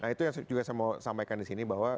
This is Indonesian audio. nah itu yang saya mau sampaikan disini bahwa